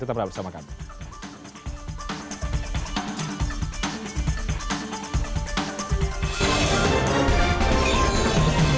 tetap bersama kami